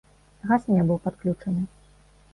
Газ не быў падключаны.